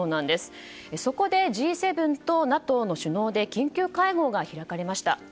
そこでＧ７とＮＡＴＯの首脳で緊急会合が開かれました。